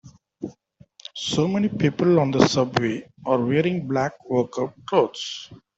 So many people on the subway are wearing black workout clothes.